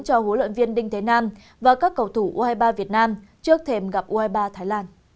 cho huấn luyện viên đinh thế nam và các cầu thủ u hai mươi ba việt nam trước thềm gặp u hai mươi ba thái lan